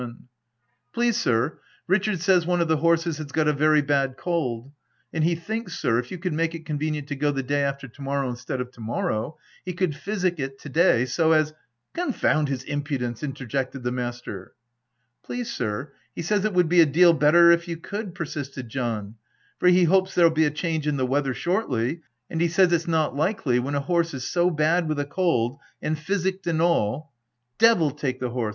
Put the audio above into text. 94 THE TENANT " Please sir, Richard says one of the horses has got a very bad cold, and he thinks, sir, if you could make it convenient to go the day after to morrow, instead of to morrow, he could physic it to day so as —"" Confound his impudence !" interjected the master. " Please sir, he says it would be a deal better if you could," persisted John, "for he hopes there'll be a change in the weather shortly, and he says it's not likely, when a horse is so bad with a cold, 'and physicked and all —" "Devil take the horse!"